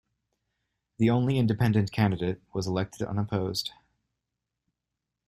The only independent candidate was elected unopposed.